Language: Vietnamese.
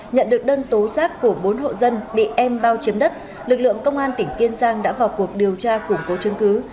nhận được đơn tố giác của bốn hộ dân bị em bao chiếm đất lực lượng công an tỉnh kiên giang đã vào cuộc điều tra củng cố chứng cứ